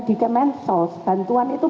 di kemensos bantuan itu